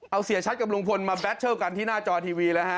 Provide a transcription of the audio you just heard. เอาเสียชัดกับลุงพลมาแบตเทิลกันที่หน้าจอทีวีแล้วฮะ